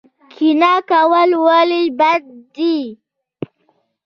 کینه کول ولې بد دي؟